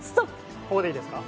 ここでいいですか。